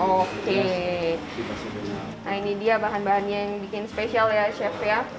oke nah ini dia bahan bahannya yang bikin spesial ya chef ya